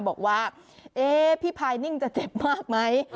บอกว่าพี่พายนิ่งจะเจ็บมากไหม